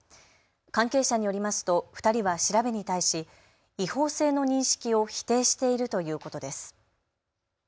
関係者によりますと２人は調べに対し違法性の認識を否定しているということです。